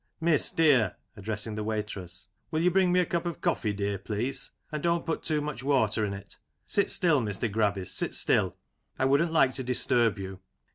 Miss, dear (addressing the waitress^ will you bring me a cup of coffee, dear, please ? And don't put too much water in it. Sit still, Mr. Gravis, sit still ; I wouldn't like to disturb you.